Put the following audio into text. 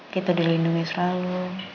kita dilindungi selalu